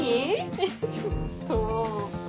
ちょっと。